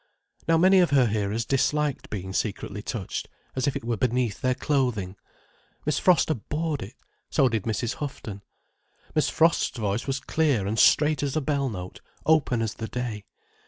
Now many of her hearers disliked being secretly touched, as it were beneath their clothing. Miss Frost abhorred it: so did Mrs. Houghton. Miss Frost's voice was clear and straight as a bell note, open as the day.